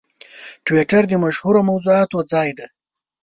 ټویټر د مشهورو موضوعاتو ځای دی.